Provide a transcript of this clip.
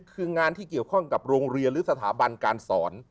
คืองานที่เกี่ยวข้องกับโรงเรียนหรือสถาบันการสอน